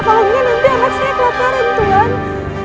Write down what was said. kalau enggak nanti anak saya kelaparan tuhan